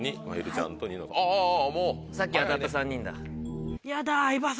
さっき当たった３人だ。